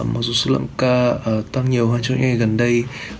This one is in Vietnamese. mặc dù số lượng ca tăng nhiều hơn trong những ngày gần đây